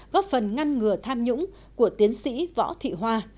góp phần ngăn ngừa tham nhũng của tiến sĩ võ thị hoa